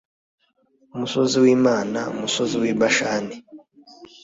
musozi w'imana, musozi w'i bashani